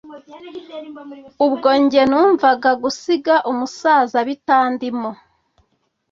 ubwo njye numvaga gusiga umusaza bitandimo